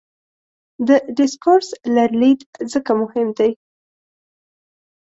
د ډسکورس لرلید ځکه مهم دی.